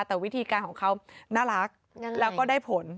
แต่วิธีการของเขาน่ารักแล้วก็ได้ผล